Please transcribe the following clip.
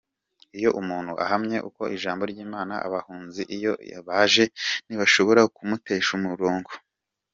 Iyo umuntu ahamye ku ijambo ry’Imana abahanuzi iyo baje ntibashobora kumutesha umurongo.